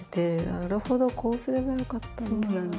なるほどこうすればよかったんだって。